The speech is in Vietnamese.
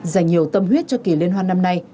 dành nhiều tâm huyết cho kỳ liên hoan năm nay